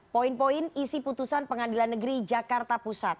poin poin isi putusan pengadilan negeri jakarta pusat